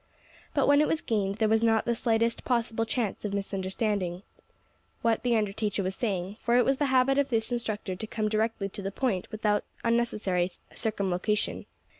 But when it was gained, there was not the slightest possible chance of misunderstanding what the under teacher was saying, for it was the habit of this instructor to come directly to the point without unnecessary circumlocution.